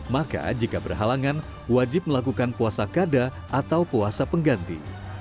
maka jika berhalangan wajib melakukan puasa kada atau puasa pengganti